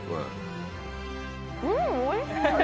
うんおいしい！